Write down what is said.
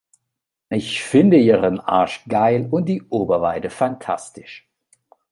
Ich finde ihren Arsch geil und die Oberweite fantastisch!